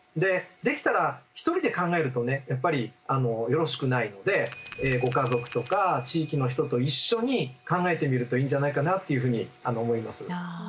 できたら１人で考えるとやっぱりよろしくないのでご家族とか地域の人と一緒に考えてみるといいんじゃないかなっていうふうに思います。